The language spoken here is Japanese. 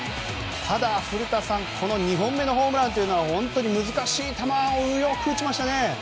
ただ、古田さんこの２本目のホームランは本当に難しい球をよく打ちましたね。